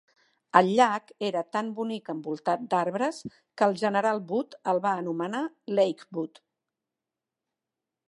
El llac era tan bonic envoltat d'arbres, que el general Wood el va anomenar Lakewood.